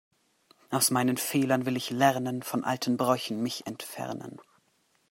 Aus meinen Fehlern will ich lernen, von alten Bräuchen mich entfernen.